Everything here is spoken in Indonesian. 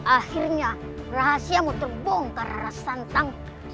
akhirnya rahasiamu terbongkar rasantan